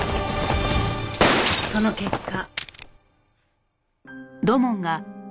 その結果